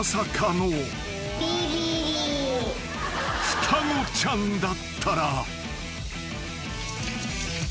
［双子ちゃんだったら］